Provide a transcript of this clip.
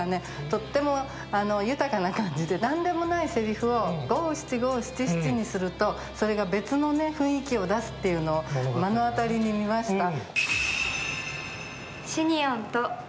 とっても豊かな感じで何でもないせりふを五七五七七にするとそれが別の雰囲気を出すっていうのを目の当たりに見ました。